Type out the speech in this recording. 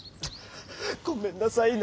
ごめんなさいね。